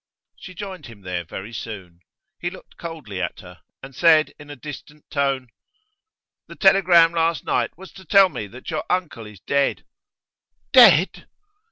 She joined him there very soon. He looked coldly at her, and said in a distant tone: 'The telegram last night was to tell me that your uncle is dead.' 'Dead!